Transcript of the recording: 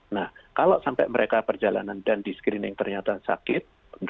nah kalau sampai mereka perjalanan dan di screening ternyata sakit